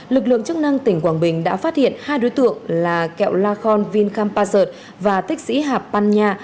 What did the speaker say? lực lượng chức năng tỉnh quảng bình đã phát hiện hai đối tượng là kẹo la khon vinh kampasert và tích sĩ hạp pan nha